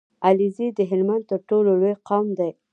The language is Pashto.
عليزی د هلمند تر ټولو لوی قوم دی